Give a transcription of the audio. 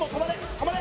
止まれ！